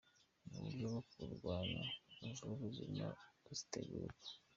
Ni uburyo bwo kurwanya imvururu zirimo zitegurwa.